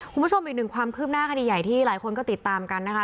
คุณผู้ชมอีกหนึ่งความคืบหน้าคดีใหญ่ที่หลายคนก็ติดตามกันนะคะ